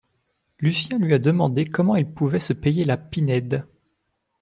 Lucien lui a demandé comment il pouvait se payer la Pinède